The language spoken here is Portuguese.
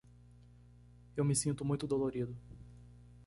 Eu me sinto muito dolorido.